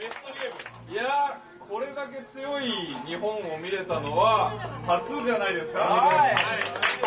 いやぁ、これだけ強い日本を見れたのは、初じゃないですか。